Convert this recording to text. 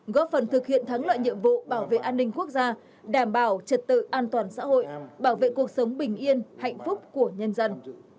góp phần thực hiện thắng lợi nhiệm vụ bảo vệ an ninh quốc gia đảm bảo trật tự an toàn xã hội bảo vệ cuộc sống bình yên hạnh phúc của nhân dân